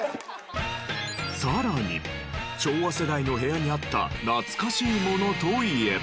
さらに昭和世代の部屋にあった懐かしいものといえば。